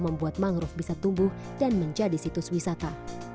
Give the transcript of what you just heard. membuat mangrove bisa tumbuh dan menjadi situs wisata